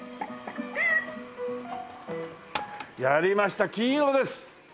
やりました金色です！